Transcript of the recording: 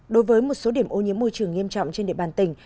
đối với một số điểm ô nhiễm môi trường nghiêm trọng trên địa bàn tỉnh